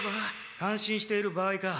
感心している場合か。